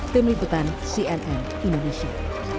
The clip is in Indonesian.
tim liputan cnn indonesia